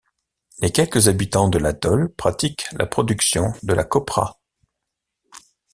Les quelques habitants de l'atoll pratiquent la production de la coprah.